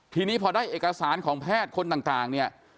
ทีนี้พอได้เอกสารของแพทย์คนต่างเนี่ย